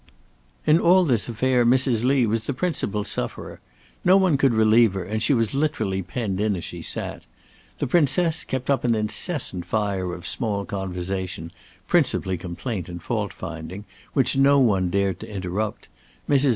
In all this affair Mrs. Lee was the principal sufferer. No one could relieve her, and she was literally penned in as she sat. The Princess kept up an incessant fire of small conversation, principally complaint and fault finding, which no one dared to interrupt. Mrs.